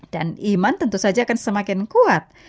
dan iman tentu saja akan semakin kuat